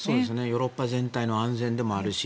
ヨーロッパ全体の安全でもあるし